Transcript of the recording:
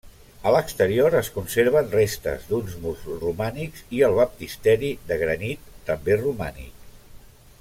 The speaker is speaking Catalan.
A l'exterior es conserven restes d'uns murs romànics i el baptisteri de granit també romànic.